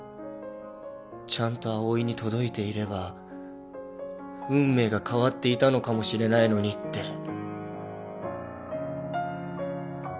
ちゃんと葵に届いていれば運命が変わっていたのかもしれないのにって。